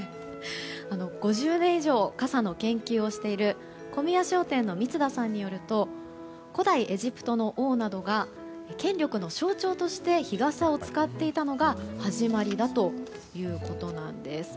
５０年以上、傘の研究をしている小宮商店の満田さんによると古代エジプトの王などが権力の象徴として日傘を使っていたのが始まりだということなんです。